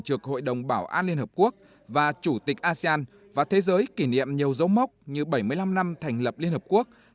trực hội đồng bảo an liên hợp quốc và chủ tịch asean và thế giới kỷ niệm nhiều dấu mốc như bảy mươi năm năm thành lập liên hợp quốc